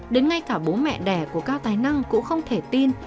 đến ngay cả bố mẹ đẻ của cao tài năng cũng không thể tin